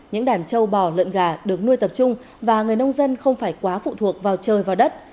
những đàn trâu bò lợn gà được nuôi tập trung và người nông dân không phải quá phụ thuộc vào trời và đất